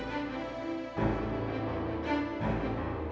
dan moken rizkus